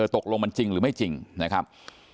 ตกลงมันจริงหรือไม่จริงนะครับ